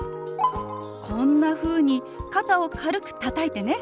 こんなふうに肩を軽くたたいてね。